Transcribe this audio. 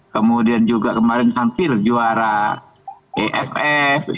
kemudian juga kemarin hampir juara eff